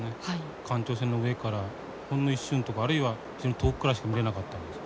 観潮船の上からほんの一瞬とかあるいは非常に遠くからしか見れなかったんです。